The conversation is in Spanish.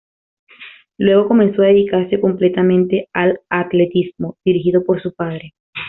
Luego comenzó a dedicarse completamente al atletismo, dirigido por su padre.